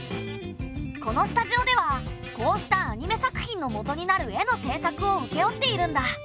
このスタジオではこうしたアニメ作品のもとになる絵の制作をうけ負っているんだ。